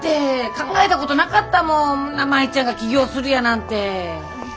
考えたことなかったもん舞ちゃんが起業するやなんて。